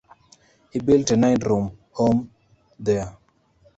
He built a nine-room, home there.